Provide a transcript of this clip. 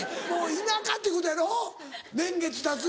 田舎っていうことやろ年月たつ。